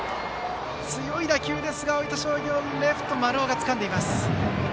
強い打球ですが大分商業レフト、丸尾がつかんでいます。